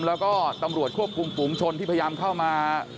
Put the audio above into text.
แล้วก็ตำรวจควบคุมฝูงชนที่พยายามเข้ามา